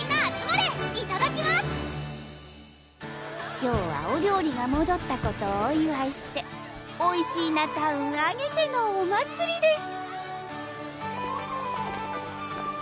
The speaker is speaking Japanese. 今日はお料理がもどったことをおいわいしておいしーなタウンあげてのお祭りです